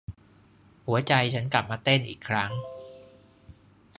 หัวใจฉันกลับมาเต้นอีกครั้ง